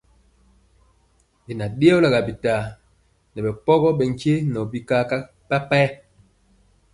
Ɓɛ ɗeyɔlɔ bitaa nɛ bikpoyo nkye nɔ bi ka mpenkyela.